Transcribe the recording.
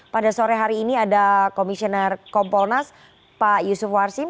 pada sore hari ini ada komisioner kompolnas pak yusuf warsim